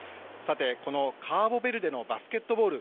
このカーボベルデのバスケットボール